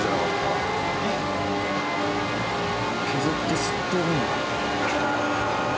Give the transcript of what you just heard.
削って吸ってるのか？